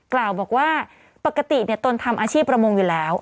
กล่าวบอกว่าปกติตนทำอาชีพประมงอยู่แล้ว